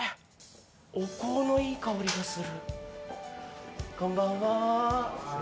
お香のいい香りがする。